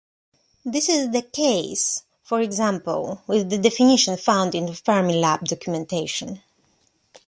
This is the case for example with the definition found in the Fermilab documentation.